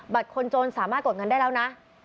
คนจนสามารถกดเงินได้แล้วนะ